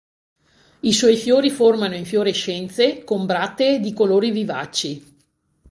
I suoi fiori formano infiorescenze con brattee di colori vivaci.